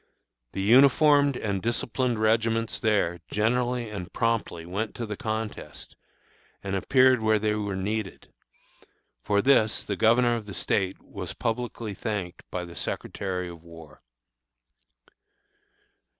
The uniformed and disciplined regiments there generally and promptly went to the contest, and appeared where they were needed. For this the Governor of the State was publicly thanked by the Secretary of War.